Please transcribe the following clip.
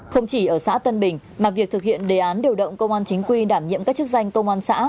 không chỉ ở xã tân bình mà việc thực hiện đề án điều động công an chính quy đảm nhiệm các chức danh công an xã